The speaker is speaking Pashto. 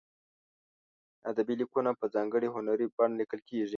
ادبي لیکونه په ځانګړې هنري بڼه لیکل کیږي.